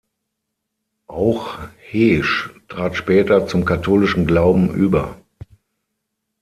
Auch Heesch trat später zum katholischen Glauben über.